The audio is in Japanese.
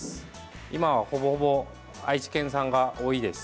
今は、ほぼほぼ愛知県産が多いです。